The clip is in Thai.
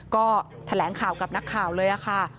ก็แถลงข่าวกับนักข่าวเลยค่ะ